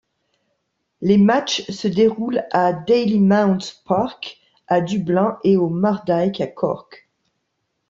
Les matchs se déroulent à Dalymount Park à Dublin et au Mardike à Cork.